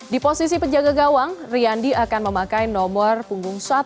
di posisi penjaga gawang riyandi akan memakai nomor punggung satu